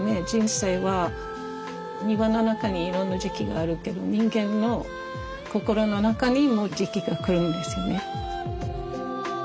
人生は庭の中にいろんな時期があるけど人間の心の中にも時期が来るんですよね。